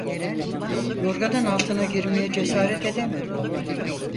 Yorganın altına girmeye cesaret edemedi.